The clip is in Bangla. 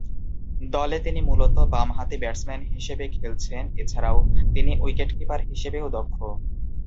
দলে তিনি মূলতঃ বামহাতি ব্যাটসম্যান হিসেবে খেলছেন্ এছাড়াও তিনি উইকেট-কিপার হিসেবেও দক্ষ।